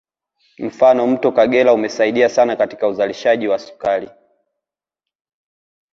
Mfano mto Kagera umesaidia sana katika uzalishaji wa sukari